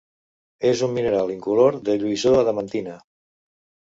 És un mineral incolor de lluïssor adamantina.